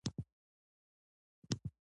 که کومه اشتباه پکې وي نو بښنه درڅخه غواړم.